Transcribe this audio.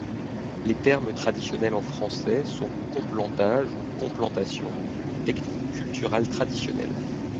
Les termes traditionnels en français sont complantage ou complantation, technique culturale traditionnelle.